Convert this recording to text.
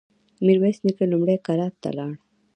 ميرويس نيکه لومړی کلات ته لاړ.